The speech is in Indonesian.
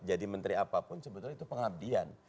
jadi menteri apapun sebetulnya itu pengabdian